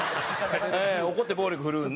怒って暴力振るうんで。